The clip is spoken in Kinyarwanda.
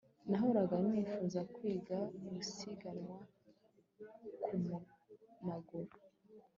Nahoraga nifuza kwiga gusiganwa ku maguru